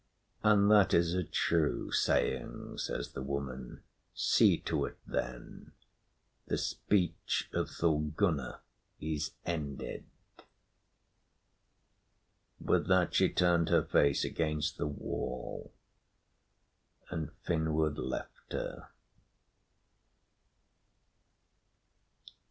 "And that is a true saying," says the woman. "See to it, then. The speech of Thorgunna is ended." With that she turned her face against the wall and Finnward left her.